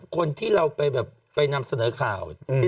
คนที่เราไปแบบไปนำเสนอข่าว